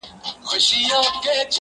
پوهېږې په جنت کي به همداسي ليونی یم.